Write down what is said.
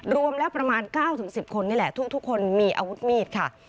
รวมแล้วประมาณ๙๑๐คนนี่แหละทุกคนมีอาวุธมีดค่ะ